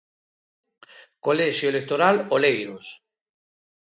Colexio electoral Oleiros.